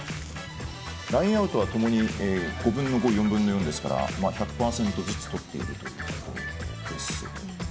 ラインアウトはともに５分の５、４分の４ですから１００％ずつ取っているというところです。